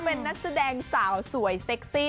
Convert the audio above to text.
เป็นนักแสดงสาวสวยเซ็กซี่